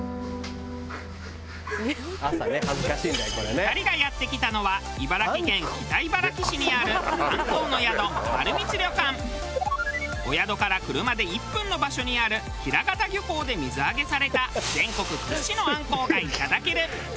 ２人がやって来たのはお宿から車で１分の場所にある平潟漁港で水揚げされた全国屈指のあんこうがいただける。